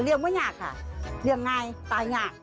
เลี้ยงไม่ยากค่ะเลี้ยงง่ายตายยาก